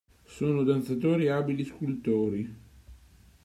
Sono danzatori e abili scultori.